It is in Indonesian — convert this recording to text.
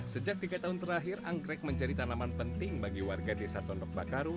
sejak tiga tahun terakhir anggrek menjadi tanaman penting bagi warga desa tondok bakaru